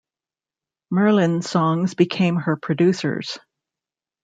Murlyn Songs became her producers.